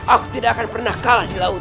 aku tidak akan pernah kalah di laut